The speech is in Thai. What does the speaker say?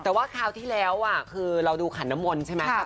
แต่ว่าคราวที่แล้วคือเราดูขันน้ำมนต์ใช่ไหม